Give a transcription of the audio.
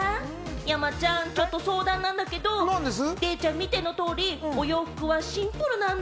山ちゃん、ちょっと相談なんだけど、デイちゃん、見ての通り洋服はシンプルなんだ！